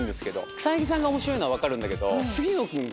草さんが面白いのはわかるんだけど杉野君が。